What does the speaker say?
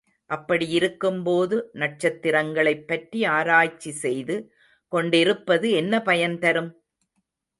அப்படியிருக்கும்போது, நட்சத்திரங்களைப்பற்றி ஆராய்ச்சி செய்து கொண்டிருப்பது என்ன பயன் தரும்?